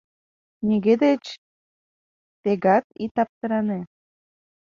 Нигӧ деч тегак ит аптыране